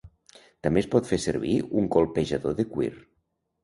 També es pot fer servir un colpejador de cuir.